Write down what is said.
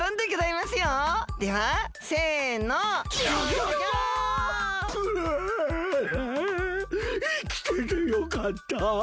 ううっいきててよかった！